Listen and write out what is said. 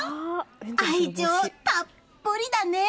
愛情たっぷりだね！